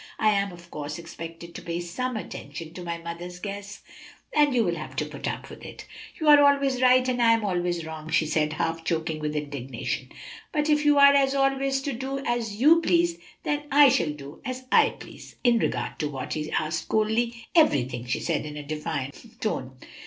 "I am, of course, expected to pay some attention to my mother's guests, and you will have to put up with it." "You are always right and I am always wrong," she said, half choking with indignation; "but if you are always to do as you please, I shall do as I please." "In regard to what?" he asked coldly. "Everything!" she answered in a defiant tone.